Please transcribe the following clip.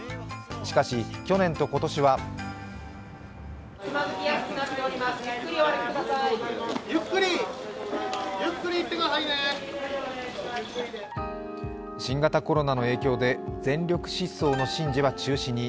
しかし、去年と今年は新型コロナの影響で全力疾走の神事は中止に。